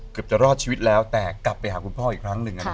เกือบจะรอดชีวิตแล้วแต่กลับไปหาคุณพ่ออีกครั้งหนึ่งนะครับ